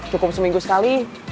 cukup seminggu sekali